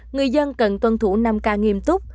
người dân cần tuân thủ năm ca nghiêm túc